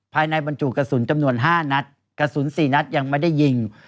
บรรจุกระสุนจำนวน๕นัดกระสุน๔นัดยังไม่ได้ยิง